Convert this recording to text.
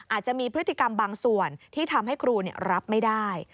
อาจจะมีพฤติกรรมบางส่วนที่ทำให้ครูรับไม่ได้